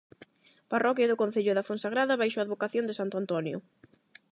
Parroquia do concello da Fonsagrada baixo a advocación de santo Antonio.